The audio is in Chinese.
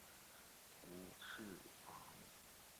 吴氏亡。